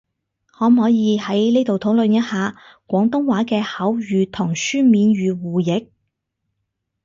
可唔可以喺呢度討論一下，廣東話嘅口語同書面語互譯？